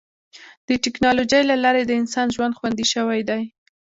د ټکنالوجۍ له لارې د انسان ژوند خوندي شوی دی.